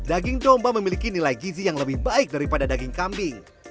daging domba memiliki nilai gizi yang lebih baik daripada daging kambing